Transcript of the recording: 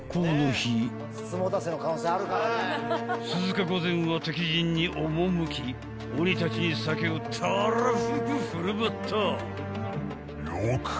［鈴鹿御前は敵陣に赴き鬼たちに酒をたらふく振る舞った］